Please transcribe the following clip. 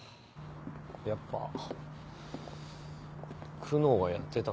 やっぱ久能がやってたんだな。